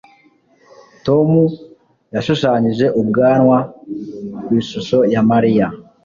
Tom yashushanyije ubwanwa ku ishusho ya Mariya